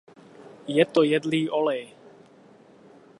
Je to jedlý olej.